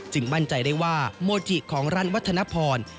มั่นใจได้ว่าโมจิของรัฐวัฒนภร